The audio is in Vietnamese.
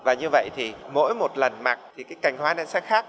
và như vậy thì mỗi một lần mặc thì cái cảnh hoa này sẽ khác